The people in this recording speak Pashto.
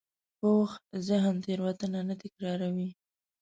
پوخ ذهن تېروتنه نه تکراروي